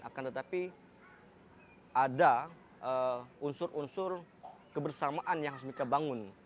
akan tetapi ada unsur unsur kebersamaan yang harus mereka bangun